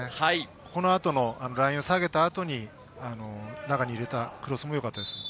この後のラインを下げた後に、中に入れたクロスもよかったです。